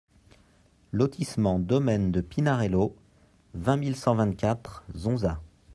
Lotissement Domaine de Pinarello, vingt mille cent vingt-quatre Zonza